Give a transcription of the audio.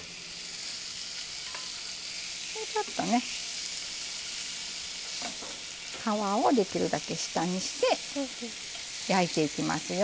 でちょっとね皮をできるだけ下にして焼いていきますよ。